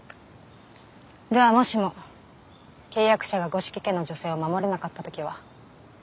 ではもしも契約者が五色家の女性を守れなかった時は？